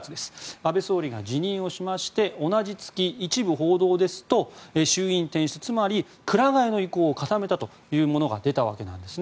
安倍前総理が辞任して同じ月、一部報道ですと衆院転出つまり、くら替えの意向を固めたという報道が出たわけなんですね。